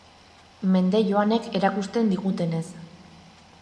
Mende joanek erakusten digutenez.